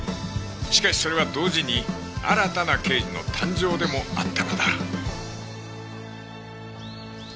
しかしそれは同時に新たな刑事の誕生でもあったのだ